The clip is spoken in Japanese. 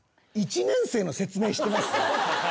１年生の説明してます？